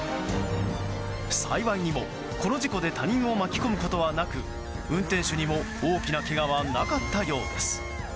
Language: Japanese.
幸いにも、この事故で他人を巻き込むことはなく運転手にも大きなけがはなかったようです。